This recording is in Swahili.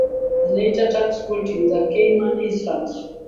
zinaita tax faulting za cayman islands